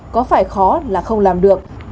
có phải khó là không làm được